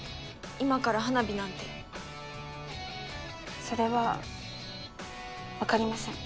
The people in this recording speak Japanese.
今から花火なんてそれはわかりません